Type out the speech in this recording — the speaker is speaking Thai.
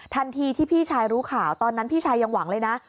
ทันทีที่พี่ชายรู้ข่าวตอนนั้นพี่ชายยังหวังเลยนะ